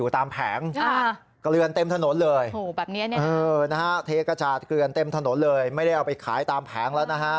เทกกระจาดเกลือนเต็มถนนเลยไม่ได้เอาไปขายตามแผงแล้วนะฮะ